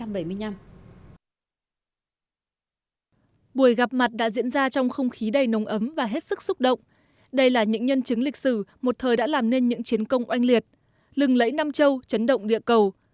buổi gặp mặt đã diễn ra trong không khí đầy nồng ấm và hết sức xúc động đây là những nhân chứng lịch sử một thời đã làm nên những chiến công oanh liệt lừng lẫy nam châu chấn động địa cầu